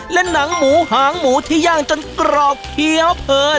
และหนังหมูหางหมูที่ย่างจนกรอบเคี้ยวเผย